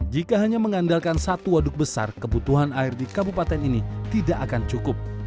jika hanya mengandalkan satu waduk besar kebutuhan air di kabupaten ini tidak akan cukup